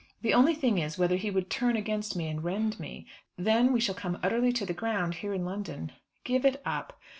The only thing is, whether he would turn against me and rend me. Then we shall come utterly to the ground, here in London." "Give it up."